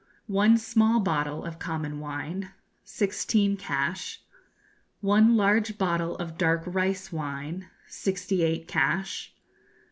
One small bottle of common wine sixteen cash. One large bottle of dark rice wine sixty eight cash.